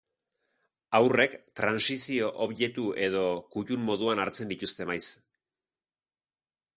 Haurrek trantsizio-objektu edo kutun moduan hartzen dituzte maiz.